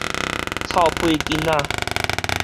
臭屁囡仔